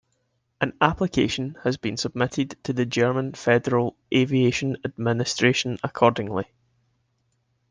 An application has been submitted to the German Federal Aviation Administration accordingly.